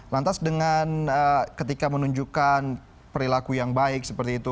lantas dengan ketika menunjukkan perilaku yang baik seperti itu